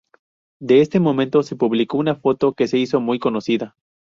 De este momento se publicó una foto que se hizo muy conocida.